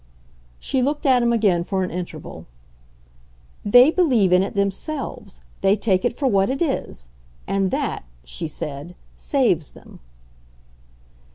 She looked at him again for an interval. "They believe in it themselves. They take it for what it is. And that," she said, "saves them."